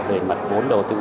về mặt vốn đầu tư